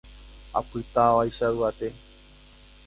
apytávaicha yvate